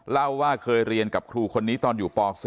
เล่าว่าเคยเรียนกับครูคนนี้ตอนอยู่ป๔